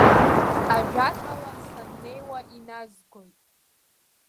Ажәакала, саннеиуа иназгоит.